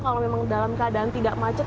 kalau memang dalam keadaan tidak macet